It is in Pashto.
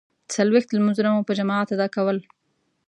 څلویښت لمانځونه مو په جماعت ادا کول.